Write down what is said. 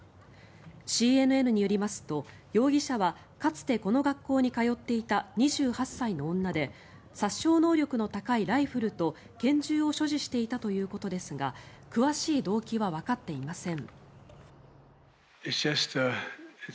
ＣＮＮによりますと、容疑者はかつてこの学校に通っていた２８歳の女で殺傷能力の高いライフルと拳銃を所持していたということですが詳しい動機はわかっていません。